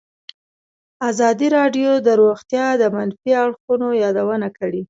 ازادي راډیو د روغتیا د منفي اړخونو یادونه کړې.